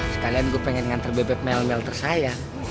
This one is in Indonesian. sekalian gue pengen ngantre bebep mel mel tersayang